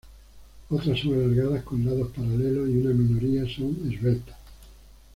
Otras son alargadas con lados paralelos, y una minoría son esbeltas.